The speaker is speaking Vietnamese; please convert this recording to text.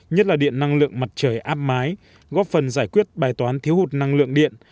nhất là điện năng lượng mặt trời áp mái góp phần giải quyết bài toán thiếu hụt năng lượng điện